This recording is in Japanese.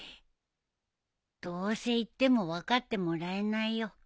どうせ言っても分かってもらえないよ。